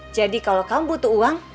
jadi kalau kamu butuh uang